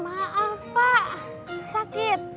maaf pak sakit